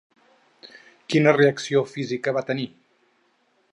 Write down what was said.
Quina reacció física va tenir?